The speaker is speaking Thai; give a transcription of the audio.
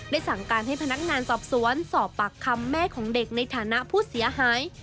สั่งการให้พนักงานสอบสวนสอบปากคำแม่ของเด็กในฐานะผู้เสียหาย